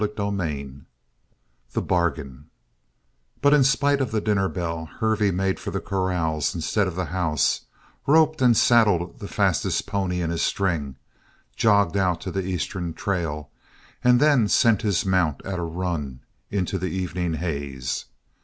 CHAPTER XIII THE BARGAIN But in spite of the dinner bell, Hervey made for the corrals instead of the house, roped and saddled the fastest pony in his string, jogged out to the eastern trail, and then sent his mount at a run into the evening haze.